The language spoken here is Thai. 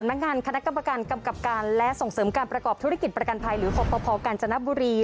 นักงานคณะกรรมการกำกับการและส่งเสริมการประกอบธุรกิจประกันภัยหรือขอปภกาญจนบุรี